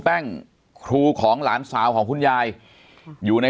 แต่คุณยายจะขอย้ายโรงเรียน